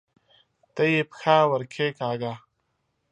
ته یې پښه ورکښېکاږه!